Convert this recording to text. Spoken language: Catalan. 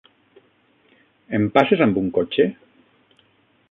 Em passes amb un cotxe?